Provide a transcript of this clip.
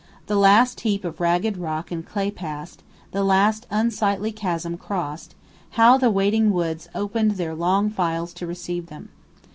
The last heap of ragged rock and clay passed, the last unsightly chasm crossed how the waiting woods opened their long files to receive them!